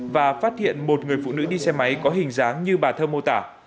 và phát hiện một người phụ nữ đi xe máy có hình dáng như bà thơ mô tả